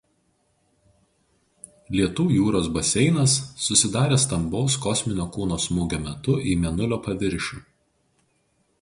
Lietų jūros baseinas susidarė stambaus kosminio kūno smūgio metu į Mėnulio paviršių.